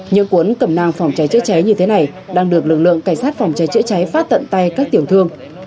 những cuốn cẩm năng phòng cháy chữa cháy như thế này đang được lực lượng cảnh sát phòng cháy chữa cháy phát tận tay các tiểu thương